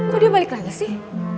kok dia balik lagi sih